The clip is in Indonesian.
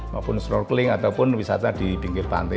maupun strokling ataupun wisata di bingkir pantai